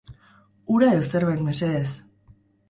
Ura edo zerbait, mesedez.